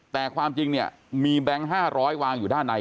แต่ความจริงเนี่ยมีแบงค์๕๐๐วางอยู่ด้านใน